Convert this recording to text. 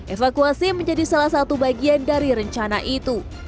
evakuasi menjadi salah satu bagian dari perjalanan ke palestina